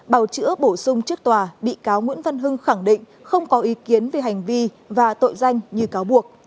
bào chữa bổ sung trước tòa bị cáo nguyễn văn hưng khẳng định không có ý kiến về hành vi và tội danh như cáo buộc